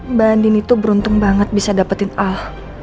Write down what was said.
mbak andin itu beruntung banget bisa dapetin ah